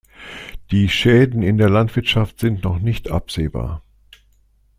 Die Schäden in der Landwirtschaft sind noch nicht absehbar.